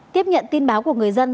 tiếp nhận tin báo của người dân